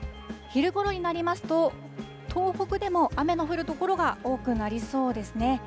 昼ごろになりますと、東北でも雨の降る所が多くなりそうですね。